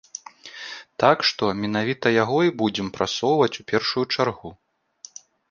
Так што, менавіта яго і будзем прасоўваць у першую чаргу.